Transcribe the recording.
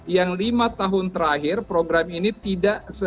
yang lima tahun terakhir program ini tidak selesai